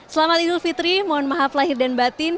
selamat idul fitri mohon maaf lahir dan batin